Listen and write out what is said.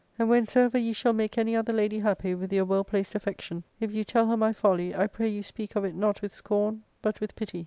And whensoever ye shall make any other lady happy with your well placed affection, if you tell her my folly, I pray you speak of it not with scorn, but with pity.